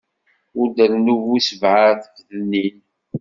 Ur d-rennu bu sebɛa tfednin.